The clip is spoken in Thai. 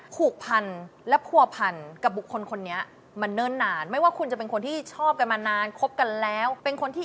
ขู่พันและพัวพันกับบุคคลคนนี้มาเนิ่นนาน